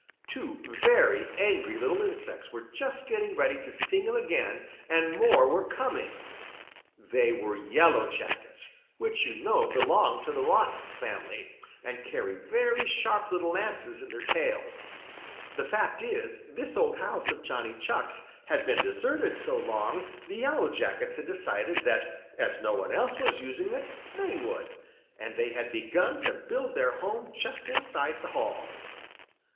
Two very angry little insects were just getting ready to sting him again, and more were coming. They were Yellow Jackets, which you know belong to the wasp family and carry very sharp little lances in their tails. The fact is, this old house of Johnny Chuck's had been deserted so long the Yellow Jackets had decided that as no one else was using it, they would, and they had begun to build their home just inside the hall.